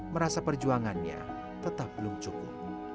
merasa perjuangannya tetap belum cukup